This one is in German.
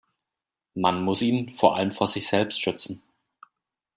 Man muss ihn vor allem vor sich selbst schützen.